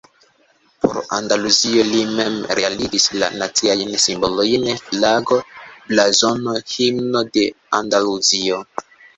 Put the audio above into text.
Por Andaluzio li mem realigis la naciajn simbolojn: flago, blazono, himno de Andaluzio.